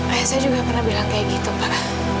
ayah saya juga pernah bilang kayak gitu pak